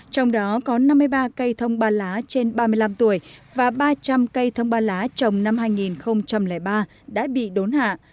trong đó có năm mươi ba cây thông ba lá trên ba mươi năm tuổi và ba trăm linh cây thông ba lá trồng năm hai nghìn ba đã bị đốn hạ